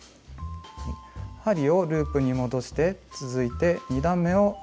針をループに戻して続いて２段めを編みます。